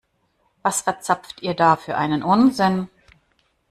Was verzapft ihr da für einen Unsinn?